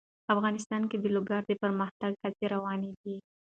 افغانستان کې د لوگر د پرمختګ هڅې روانې دي.